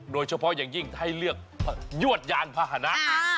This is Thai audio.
โดยเฉพาะอย่างยิ่งให้เลือกยวดยานพาหนะ